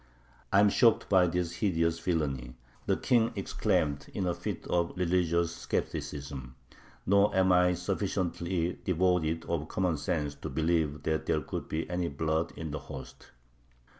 "I am shocked by this hideous villainy," the King exclaimed in a fit of religious skepticism, "nor am I sufficiently devoid of common sense to believe that there could be any blood in the host."